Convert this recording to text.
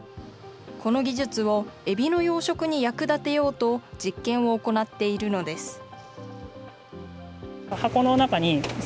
この技術をエビの養殖に役立てようと、実験を行っているのです。